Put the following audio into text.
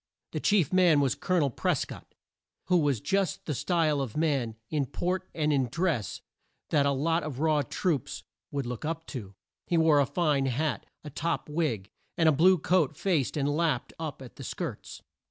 The chief man was Col o nel Pres cott, who was just the style of man, in port and in dress, that a lot of raw troops would look up to. He wore a fine hat, a top wig, and a blue coat faced and lapped up at the skirts.